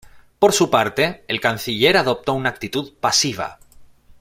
Por su parte, el canciller adoptó una actitud pasiva.